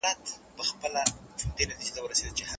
لکه پړانګ وو خښمېدلی